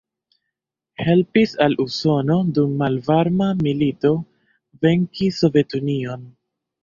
Helpis al Usono dum malvarma milito venki Sovetunion.